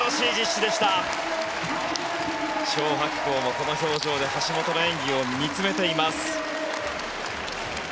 チョウ・ハクコウもこの表情で橋本の演技を見つめています。